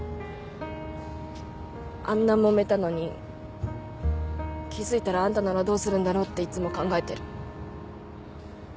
あんなもめたのに気付いたらあんたならどうするんだろうっていつも考えてる。